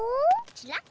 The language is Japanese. ちらっ。